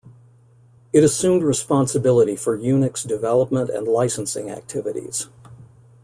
It assumed responsibility for Unix development and licensing activities.